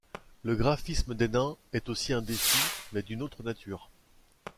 Le graphisme des nains est aussi un défi mais d'une autre nature.